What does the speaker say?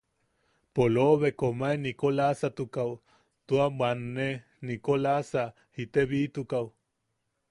Polobe komae Nikolasatukaʼu tua bwanne, Nikolasa jitebitukaʼu.